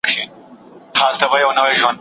کله چي يې مقاله لیکله ډېر احساساتي سوی و.